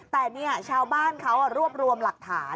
แต่เนี่ยชาวบ้านเขารวบรวมหลักฐาน